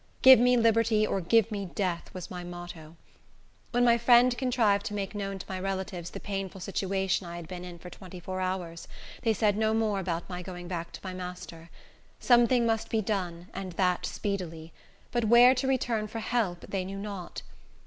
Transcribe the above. "Give me liberty, or give me death," was my motto. When my friend contrived to make known to my relatives the painful situation I had been in for twenty four hours, they said no more about my going back to my master. Something must be done, and that speedily; but where to return for help, they knew not.